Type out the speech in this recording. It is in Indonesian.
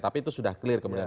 tapi itu sudah clear kemudian